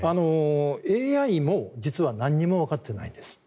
ＡＩも実は何もわかってないんです。